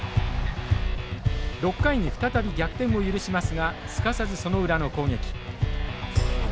６回に再び逆転を許しますがすかさずその裏の攻撃。